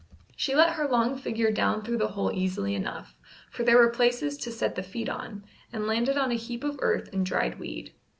She let her long figure down through the hole easily enough, for there were places to set the feet on, and landed on a heap of earth and dried weed.